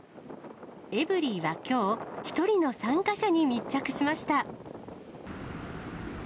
エブリィはきょう、１人の参加者に密着しました。